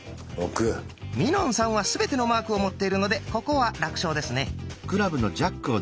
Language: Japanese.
みのんさんは全てのマークを持っているのでここは楽勝ですね！